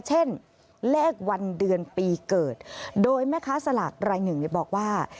เช่นเลขวันเดือนปีเกิดโดยแม่ค้าสลากรายหนึ่งบอกว่า